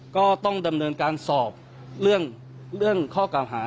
ก็ต้องดำเนินการสอบเรื่องข้อเก่าหา